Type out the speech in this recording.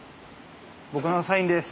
僕のサインです。